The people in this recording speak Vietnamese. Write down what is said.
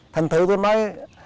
thành thự tôi mới